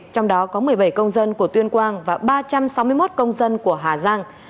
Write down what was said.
trong đó có một mươi bảy công dân của tuyên quang và ba trăm sáu mươi một công dân của hà giang